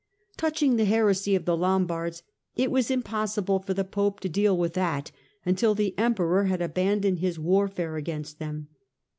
Touching the heresy of the Lombards, it was impossible for the Pope to deal with that until the Emperor had abandoned his warfare against them.